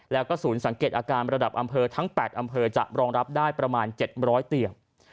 แล้วก็ศูนย์สังเกตอาการระดับอำเภอทั้ง๘อำเภอจะรองรับได้ประมาณ๗๐๐เตียง